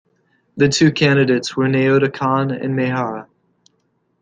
The two candidates were Naoto Kan and Maehara.